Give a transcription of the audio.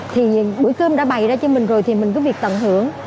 thì bữa cơm đã bày ra cho mình rồi thì mình có việc tận hưởng